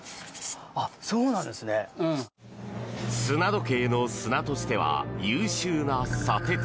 砂時計の砂としては優秀な砂鉄。